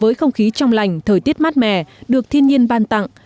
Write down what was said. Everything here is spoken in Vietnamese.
với không khí trong lành thời tiết mát mẻ được thiên nhiên ban tặng